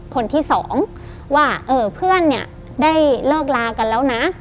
คนที่สองว่าเออเพื่อนเนี่ยได้เลิกลากันแล้วนะ